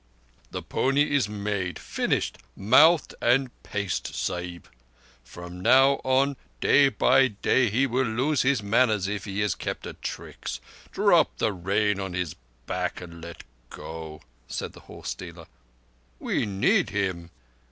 "The pony is made—finished—mouthed and paced, Sahib! From now on, day by day, he will lose his manners if he is kept at tricks. Drop the rein on his back and let go," said the horse dealer. "We need him."